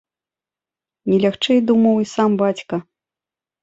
Не лягчэй думаў і сам бацька.